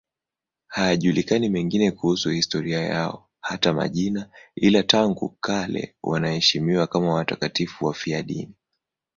Hayajulikani mengine kuhusu historia yao, hata majina, ila tangu kale wanaheshimiwa kama watakatifu wafiadini.